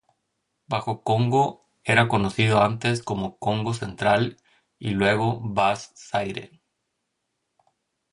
Bajo Congo era conocido antes como Kongo Central y luego Bas-Zaïre.